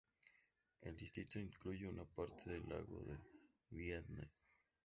El distrito incluye una parte del lago de Bienne.